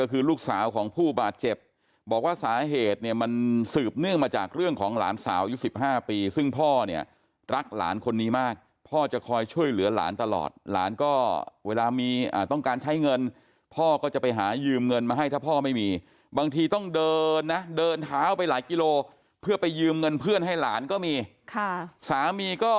ก็คือลูกสาวของผู้บาดเจ็บบอกว่าสาเหตุเนี่ยมันสืบเนื่องมาจากเรื่องของหลานสาวยุค๑๕ปีซึ่งพ่อเนี่ยรักหลานคนนี้มากพ่อจะคอยช่วยเหลือหลานตลอดหลานก็เวลามีต้องการใช้เงินพ่อก็จะไปหายืมเงินมาให้ถ้าพ่อไม่มีบางทีต้องเดินนะเดินเท้าไปหลายกิโลเพื่อไปยืมเงินเพื่อนให้หลานก็มีค่ะสามีก็